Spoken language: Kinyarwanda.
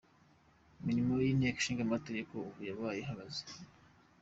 Imirimo y'inteko ishingamategeko ubu yabaye ihagaze.